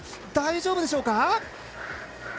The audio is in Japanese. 大丈夫でしょうか。